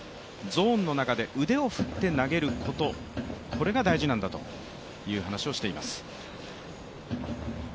ゾーンの中で腕を振って投げること、これが大事なんだという話をしています。